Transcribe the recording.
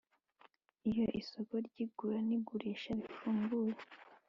iyo isoko ryigura nigurisha rifunguye